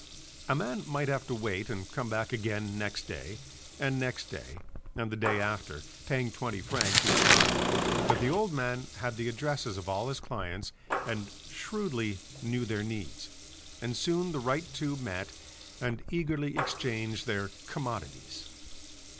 A man might have to wait and come back again next day, and next day and the day after, paying twenty francs each time, but the old man had the addresses of all his clients and shrewdly knew their needs, and soon the right two met and eagerly exchanged their commodities.